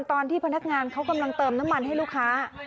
ตอนที่พนักงานเขากำลังเติมน้ำมันให้ลูกค้า